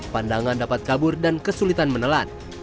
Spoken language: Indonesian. pandangan dapat kabur dan kesulitan menelan